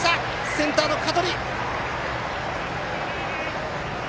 センターの香取！